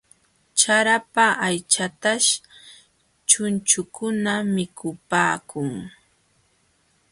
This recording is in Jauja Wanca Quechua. Charapa aychataśh chunchukuna mikupaakun.